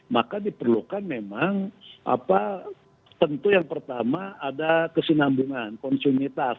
maka diperlukan memang tentu yang pertama ada kesinambungan konsumitas